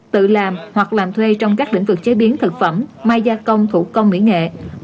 tự làm hoặc làm thuê trong các lĩnh vực chế biến thực phẩm mai gia công thủ công mỹ nghệ